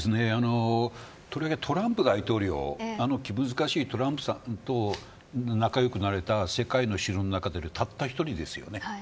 とりわけトランプ大統領ですがあの気難しいトランプさんと仲良くなれた世界の首脳の中ではたった１人です。